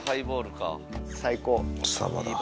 サバだ。